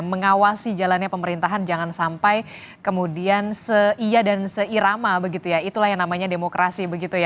mengawasi jalannya pemerintahan jangan sampai kemudian seiya dan seirama begitu ya itulah yang namanya demokrasi begitu ya